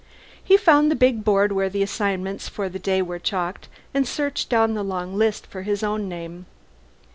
He found the big board where the assignments for the day were chalked, and searched down the long lists for his own name.